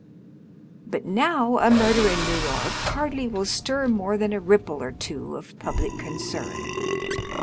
But now a murder in New York hardly will stir more than a rirole or two of public concern.